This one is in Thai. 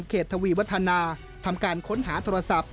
ทวีวัฒนาทำการค้นหาโทรศัพท์